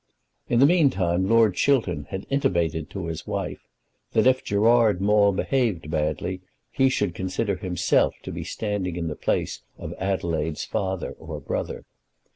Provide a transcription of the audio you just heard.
In the meantime Lord Chiltern had intimated to his wife that if Gerard Maule behaved badly he should consider himself to be standing in the place of Adelaide's father or brother.